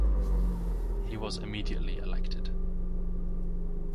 He was immediately elected.